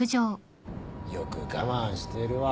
よく我慢してるわ。